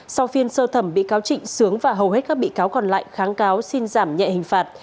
sau phiên sơ thẩm bị cáo trịnh sướng và hầu hết các bị cáo còn lại kháng cáo xin giảm nhẹ hình phạt